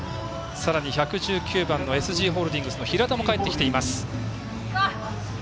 さらに１１９番のＳＧホールディングスの平田も帰ってきています。